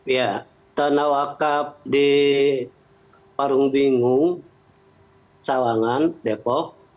ya tanah wakaf di parung binghu sawangan depok